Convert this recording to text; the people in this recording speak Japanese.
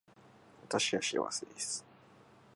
私は幸せです